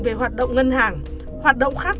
về hoạt động ngân hàng hoạt động khác